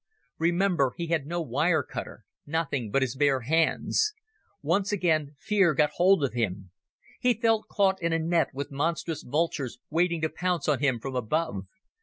Remember, he had no wire cutter; nothing but his bare hands. Once again fear got hold of him. He felt caught in a net, with monstrous vultures waiting to pounce on him from above.